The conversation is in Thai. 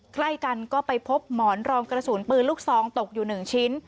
ใกล้กันก็ไปพบหมอนรองกระสุนปืนลูกซองตกอยู่๑ชิ้น